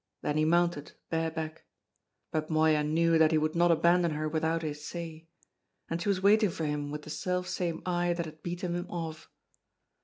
Then he mounted, bare back; but Moya knew that he would not abandon her without his say; and she was waiting for him with the self same eye that had beaten him off.